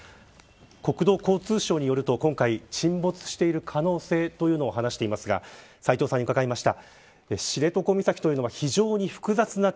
国土交通省によると今回沈没してる可能性というの話していますが斎藤さんに伺いました。